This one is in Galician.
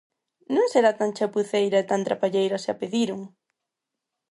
¡Non será tan chapuceira e tan trapalleira se a pediron!